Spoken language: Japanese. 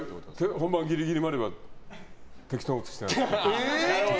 本番ギリギリまでは適当にしてます。